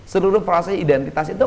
seluruh proses identitas itu